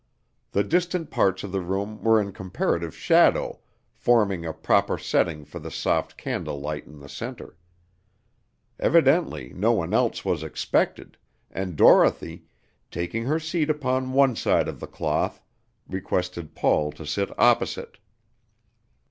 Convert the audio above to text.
The distant parts of the room were in comparative shadow forming a proper setting for the soft candle light in the center. Evidently no one else was expected, and Dorothy, taking her seat upon one side of the cloth, requested Paul to sit opposite.